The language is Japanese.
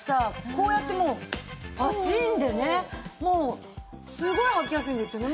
こうやってもうパチンでねもうすごい履きやすいんですよね。